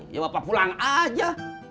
ya bapak pulang aja